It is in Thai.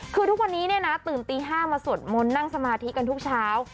คือทุกวันนี้เนี่ยนะตื่นตี๕มาสวดมนต์นั่งสมาธิกันทุกเช้า